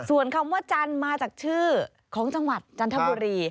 ส่วนคำว่าจันทร์มาจากชื่อของจังหวัดจันทบุรี